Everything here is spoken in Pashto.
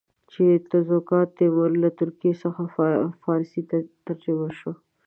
چې تزوکات تیموري له ترکي څخه فارسي ته ترجمه شوی.